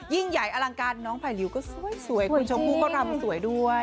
ยิ่งใหญ่อลังการน้องไผ่ลิวก็สวยคุณชมพู่ก็รำสวยด้วย